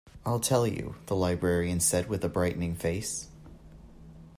I'll tell you, the librarian said with a brightening face.